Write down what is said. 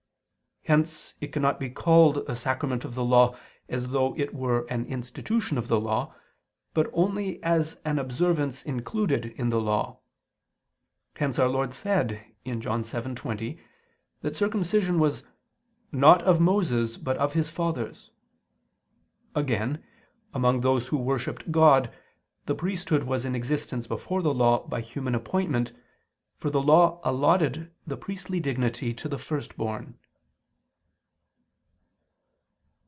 Hence it cannot be called a sacrament of the Law as though it were an institution of the Law, but only as an observance included in the Law. Hence Our Lord said (John 7:20) that circumcision was "not of Moses, but of his fathers." Again, among those who worshipped God, the priesthood was in existence before the Law by human appointment, for the Law allotted the priestly dignity to the firstborn.